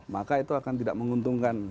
maka itu akan tidak menguntungkan